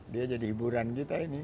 dia jadi hiburan gitu ya ini